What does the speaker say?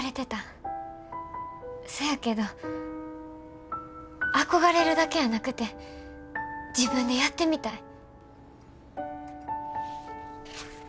そやけど憧れるだけやなくて自分でやってみたい。